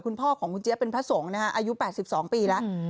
คุณพ่อของคุณเจี๊ยเป็นพระสงฆ์นะฮะอายุ๘๒ปีแล้ว